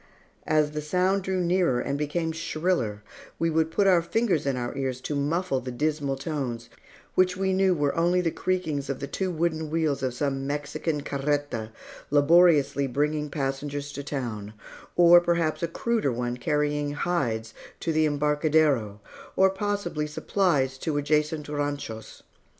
As the sound drew nearer and became shriller, we would put our fingers in our ears to muffle the dismal tones, which we knew were only the creakings of the two wooden wheels of some Mexican carreta, laboriously bringing passengers to town, or perhaps a cruder one carrying hides to the embarcadero, or possibly supplies to adjacent ranchos.